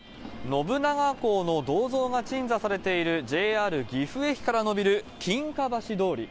信長公の銅像が鎮座されている、ＪＲ岐阜駅から延びる金華橋通り。